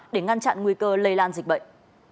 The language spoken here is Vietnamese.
để ngăn chặn nguy cơ lây lan dịch bệnh